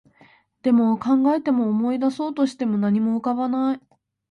でも、考えても、思い出そうとしても、何も思い浮かばない